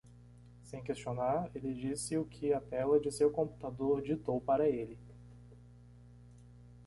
Sem questionar, ele disse o que a tela de seu computador ditou para ele.